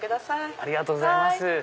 ありがとうございます。